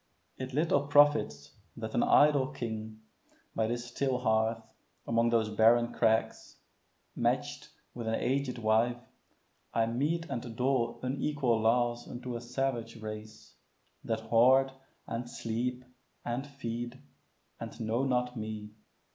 It little profits that an idle king, By this still hearth, among these barren crags, Match'd with an aged wife, I mete and dole Unequal laws unto a savage race, That hoard, and sleep, and feed, and know not me.